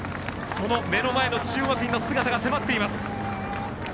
その目の前の中央学院の姿が迫っています。